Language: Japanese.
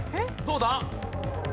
どうだ？